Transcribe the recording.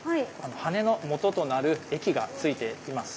羽根のもととなる液がついています。